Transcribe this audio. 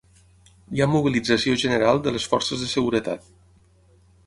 Hi ha mobilització general de les forces de seguretat.